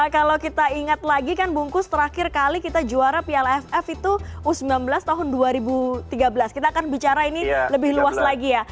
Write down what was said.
kalau kita ingat lagi kan bungkus terakhir kali kita juara piala aff itu u sembilan belas tahun dua ribu tiga belas kita akan bicara ini lebih luas lagi ya